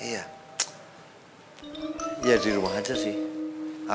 iya di rumah aja sih